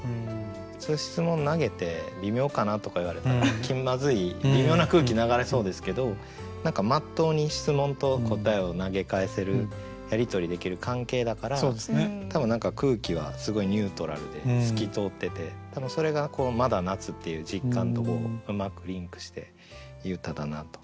普通質問投げて「微妙かな」とか言われたら気まずい微妙な空気流れそうですけどまっとうに質問と答えを投げ返せるやり取りできる関係だから多分空気はすごいニュートラルで透き通ってて多分それがこの「まだ夏」っていう実感とうまくリンクしていい歌だなと。